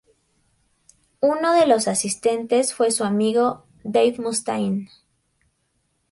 Uno de los asistentes fue su amigo, Dave Mustaine.